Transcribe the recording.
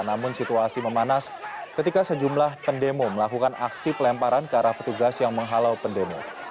namun situasi memanas ketika sejumlah pendemo melakukan aksi pelemparan ke arah petugas yang menghalau pendemo